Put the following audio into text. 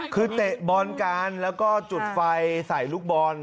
คือเตะบอลกันแล้วก็จุดไฟใส่ลูกบอล